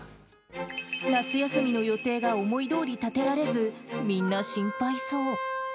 夏休みの予定が思いどおり立てられず、みんな心配そう。